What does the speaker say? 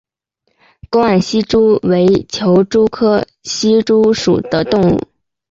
沟岸希蛛为球蛛科希蛛属的动物。